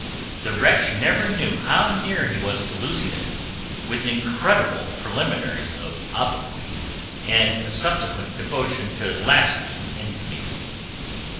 The wretch never knew how near he was to losing it, with incredible preliminaries of obloquy, and a subsequent devotion to lasting infamy.